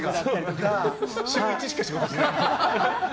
週１しか仕事してない。